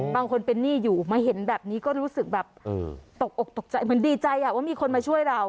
บางคนเป็นหนี้อยู่มาเห็นแบบนี้ก็รู้สึกแบบตกอกตกใจเหมือนดีใจว่ามีคนมาช่วยเรา